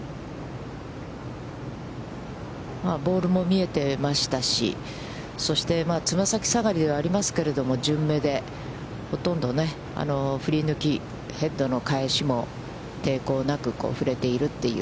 ボールも見えてましたし、そして、つま先下がりではありますけれども、順目で、ほとんどね、振り抜き、ヘッドの返しも抵抗なく振れているという。